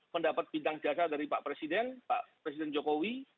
mendapat bidang jasa dari pak presiden pak presiden jokowi